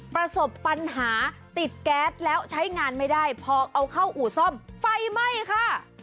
ประสบปัญหาติดแก๊สแล้วใช้งานไม่ได้พอเอาเข้าอู่ซ่อมไฟไหม้ค่ะ